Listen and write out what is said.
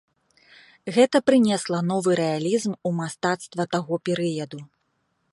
Гэта прынесла новы рэалізм у мастацтва таго перыяду.